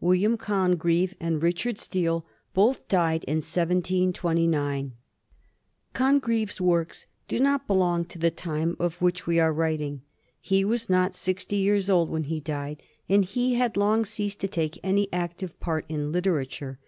William Congreve and Richard Steele both died in 1729. Congreve's works do not belong to the time of which we are writing. He was not sixty years old when he died, and he had long ceased to take any active part in literature.